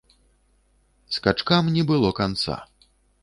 Скачкам не было канца!